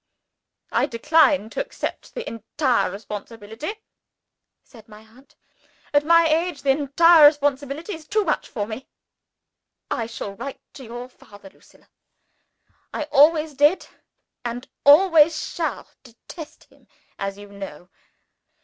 "I decline to accept the entire responsibility," said my aunt. "At my age, the entire responsibility is too much for me. I shall write to your father, Lucilla. I always did, and always shall, detest him, as you know.